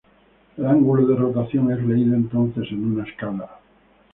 El ángulo de rotación es leído entonces en una escala.